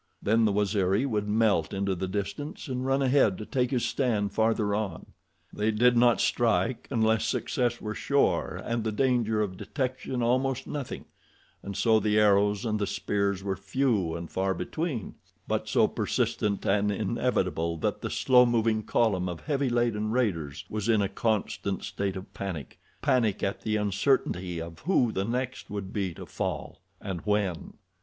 Then the Waziri would melt into the distance and run ahead to take his stand farther on. They did not strike unless success were sure and the danger of detection almost nothing, and so the arrows and the spears were few and far between, but so persistent and inevitable that the slow moving column of heavy laden raiders was in a constant state of panic—panic at the uncertainty of who the next would be to fall, and when.